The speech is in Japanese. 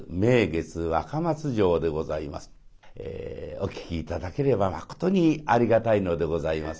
お聴き頂ければまことにありがたいのでございます。